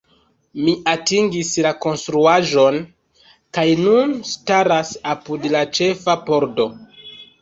Mi atingis la konstruaĵon, kaj nun staras apud la ĉefa pordo.